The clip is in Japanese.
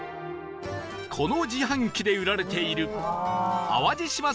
この自販機で売られている